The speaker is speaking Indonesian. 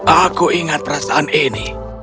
aku ingat perasaan ini